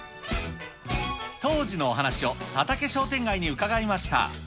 当時のお話を佐竹商店街に伺いました。